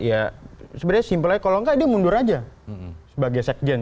ya sebenarnya simpelnya kalau tidak dia mundur saja sebagai sekjen